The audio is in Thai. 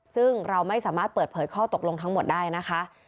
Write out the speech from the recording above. ซึ่งเราไม่สามารถเปิดเผยข้อตกลงทั้งหมดได้นะคะ